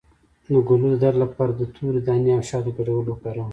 د ګلو درد لپاره د تورې دانې او شاتو ګډول وکاروئ